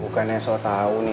bukannya sok tau nih